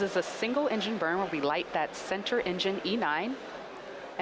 dan ini akan membawa kecepatan kapal terbangnya ke bawah dengan cepat